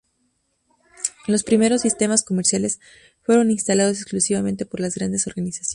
Los primeros sistemas comerciales fueron instalados exclusivamente por las grandes organizaciones.